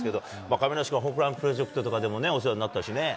亀梨君はホームランプロジェクトとかでもお世話になったしね。